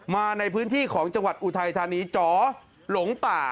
มาในพื้นที่ของจังหวัดอุทัยธานีจ๋อหลงป่า